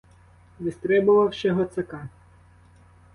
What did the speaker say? Вистрибовавши гоцака.